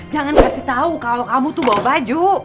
jangan kasih tahu kalau kamu tuh bawa baju